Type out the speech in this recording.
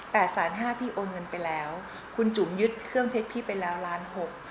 แสนห้าพี่โอนเงินไปแล้วคุณจุ๋มยึดเครื่องเพชรพี่ไปแล้วล้านหก